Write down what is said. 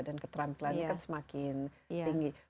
dan keterampilannya kan semakin tinggi